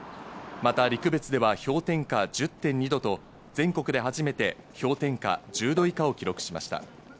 また陸別では氷点下１０．２度と全国で初めて氷点下１０度以下を記録しました。